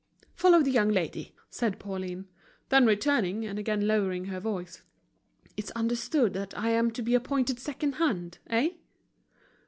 "Follow this young lady," said Pauline. Then returning, and again lowering her voice: "It's understood that I am to be appointed second hand, eh?"